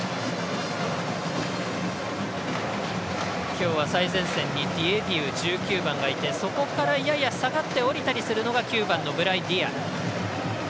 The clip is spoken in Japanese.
今日は最前線にディエディウ１９番がいてそこからやや下がって下りたりするのが９番のブライ・ディア。